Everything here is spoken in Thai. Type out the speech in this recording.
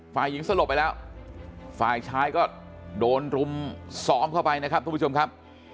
ฝ่ายหญิงสลบไปแล้วฝ่ายชายก็โดนรุมซ้อมเข้าไปนะครับทุกผู้ชมครับ